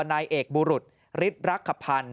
นายเอกบูรุษฤทธิ์รักษภัณฑ์